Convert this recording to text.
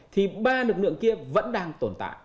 thì ba lực lượng kia vẫn đang tồn tại